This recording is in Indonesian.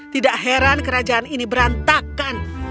tidak heran kerajaan ini berantakan